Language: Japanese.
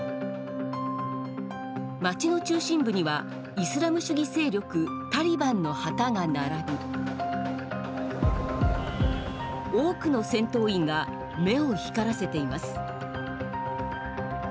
町の中心部にはイスラム主義勢力タリバンの旗が並び多くの戦闘員が目を光らせています。